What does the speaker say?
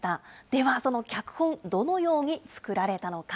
ではその脚本、どのように作られたのか。